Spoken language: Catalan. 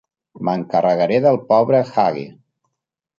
M'encarregaré del pobre Hughie.